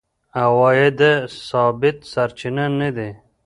عوایده ثابت سرچینه نه دي.